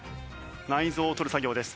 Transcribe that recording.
内臓を取る作業です。